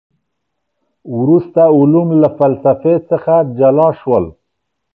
وروسته علوم له فلسفې څخه جلا سول.